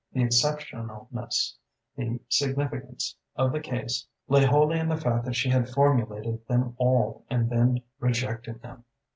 The exceptionalness, the significance, of the case lay wholly in the fact that she had formulated them all and then rejected them....